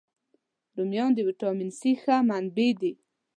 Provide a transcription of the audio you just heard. رومیان د ویټامین C ښه منبع دي